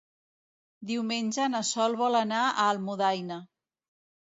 Diumenge na Sol vol anar a Almudaina.